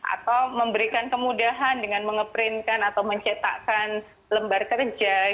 atau memberikan kemudahan dengan mengeprintkan atau mencetakkan lembar kerja